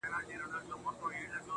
محمود خان اڅکزي چمن کې